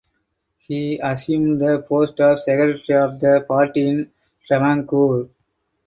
He assumed the post of Secretary of the Party in Travancore.